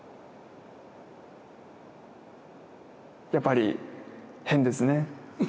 やっぱり変ですね。